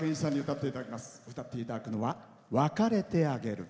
歌っていただくのは「別れてあげる」。